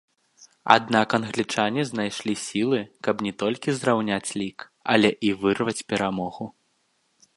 Аднак англічане знайшлі сілы, каб не толькі зраўняць лік, але і вырваць перамогу.